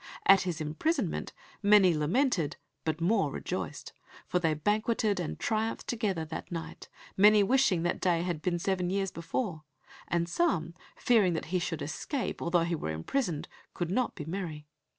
At his imprisonment "many lamented, but more rejoiced, ... for they banquetted and triumphed together that night, many wishing that day had been seven years before; and some, fearing that he should escape although he were imprisoned, could not be merry."